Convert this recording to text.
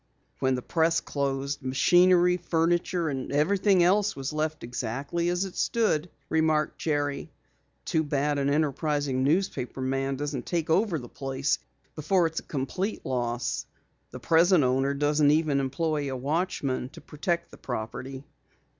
"When the Press closed, machinery, furniture and everything else was left exactly as it stood," remarked Jerry. "Too bad an enterprising newspaper man doesn't take over the place before it's a complete loss. The present owner doesn't even employ a watchman to protect the property."